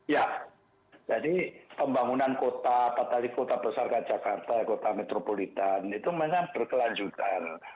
ya jadi pembangunan kota patali kota besar kayak jakarta kota metropolitan itu memang berkelanjutan